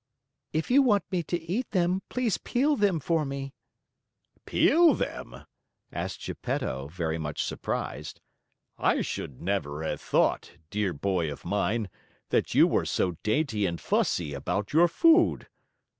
"If you want me to eat them, please peel them for me." "Peel them?" asked Geppetto, very much surprised. "I should never have thought, dear boy of mine, that you were so dainty and fussy about your food.